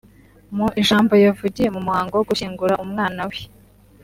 Mu ijambo yavugiye mu muhango wo gushyingura umwana we